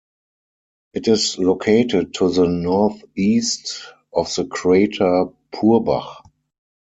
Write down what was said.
It is located to the northeast of the crater Purbach.